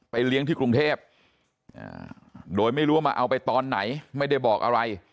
เลี้ยงที่กรุงเทพโดยไม่รู้ว่ามาเอาไปตอนไหนไม่ได้บอกอะไร